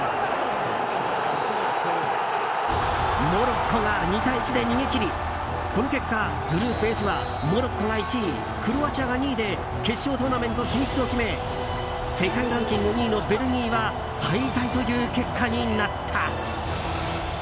モロッコが２対１で逃げ切りこの結果グループＦはモロッコが１位クロアチアが２位で決勝トーナメント進出を決め世界ランキング２位のベルギーは敗退という結果になった。